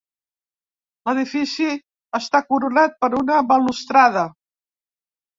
L'edifici està coronat per una balustrada.